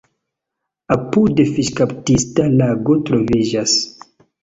Apude fiŝkaptista lago troviĝas.